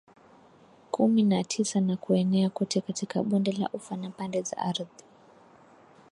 kumi na tisa na kuenea kote katika Bonde la Ufa na pande za ardhi